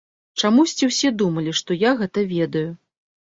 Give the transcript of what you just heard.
Чамусьці ўсе думалі, што я гэта ведаю.